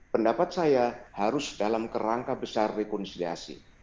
pendapat saya harus dalam kerangka besar rekonsiliasi